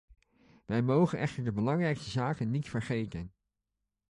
Wij mogen echter de belangrijkste zaken niet vergeten.